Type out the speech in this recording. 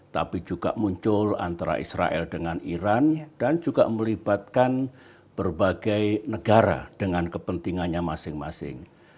tapi juga muncul antara israel dengan iran dan juga melibatkan berbagai negara dengan kepentingannya masing masing